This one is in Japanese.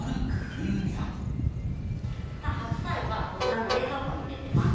ふだん、白菜はこちらの冷蔵庫に入れてます。